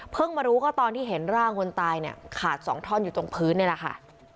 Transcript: มารู้ก็ตอนที่เห็นร่างคนตายเนี่ยขาดสองท่อนอยู่ตรงพื้นนี่แหละค่ะ